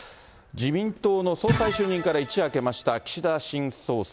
自民党の総裁就任から一夜明けました岸田新総裁。